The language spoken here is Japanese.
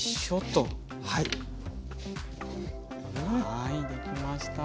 はい出来ました。